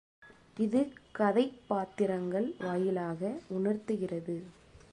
இது கதைப் பாத்திரங்கள் வாயிலாக உணர்த்துகிறது.